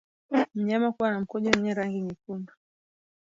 Mnyama kuwa na mkojo wenye rangi nyekundu